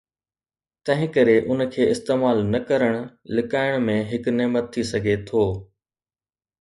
تنهن ڪري ان کي استعمال نه ڪرڻ لڪائڻ ۾ هڪ نعمت ٿي سگهي ٿو.